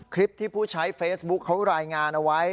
คลิปที่ผู้ใช้เฟซบุ๊คเขารายงานเอาไว้